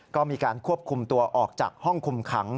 ก็มีการควบคุมตัวออกจากห้องคุมขัง